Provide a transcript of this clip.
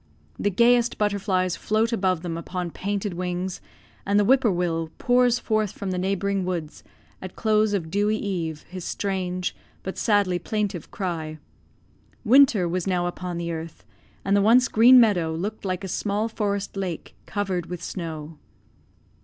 The gayest butterflies float above them upon painted wings; and the whip poor will pours forth from the neighbouring woods, at close of dewy eve, his strange but sadly plaintive cry. Winter was now upon the earth, and the once green meadow looked like a small forest lake covered with snow.